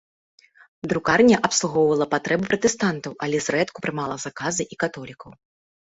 Друкарня абслугоўвала патрэбы пратэстантаў, але зрэдку прымала заказы і католікаў.